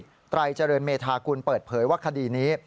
คุณไตรเจริญเมธากุลเปิดเผยว่าคดีนี้